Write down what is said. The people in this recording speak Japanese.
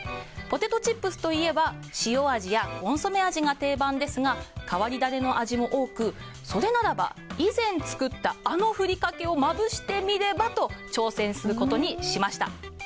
ポテトチップスといえば塩味やコンソメ味が定番ですが、変わり種の味も多くそれならば、以前作ったあのふりかけをまぶしてみればと挑戦することにしました。